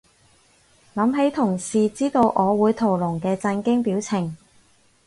諗起同事知道我會屠龍嘅震驚表情